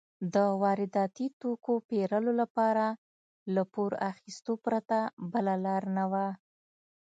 د وارداتي توکو پېرلو لپاره له پور اخیستو پرته بله لار نه وه.